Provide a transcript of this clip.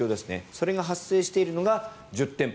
それが発生しているのが１０店舗。